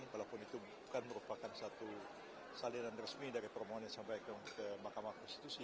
walaupun itu bukan merupakan satu salinan resmi dari permohonan yang disampaikan ke mahkamah konstitusi